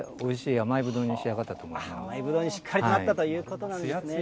甘いぶどうにしっかりとなったということなんですね。